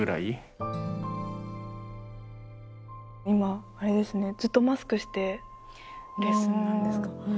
今あれですねずっとマスクしてレッスンなんですか？